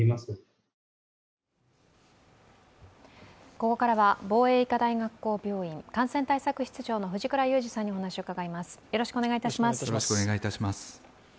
ここからは防衛医科大学校病院感染対策室長の藤倉雄二さんにお話を伺います。